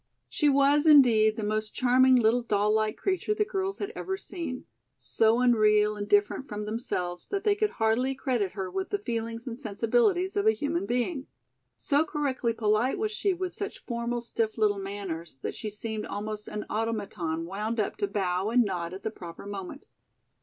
She was, indeed, the most charming little doll like creature the girls had ever seen, so unreal and different from themselves, that they could hardly credit her with the feelings and sensibilities of a human being. So correctly polite was she with such formal, stiff little manners that she seemed almost an automaton wound up to bow and nod at the proper moment.